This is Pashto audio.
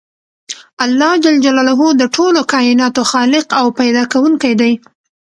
الله ج د ټولو کایناتو خالق او پیدا کوونکی دی .